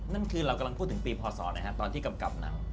นั่นคือเรากำลังพูดถึงปีพศตอนที่กำกับหนัง